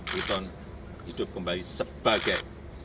buton hidup kembali sebagai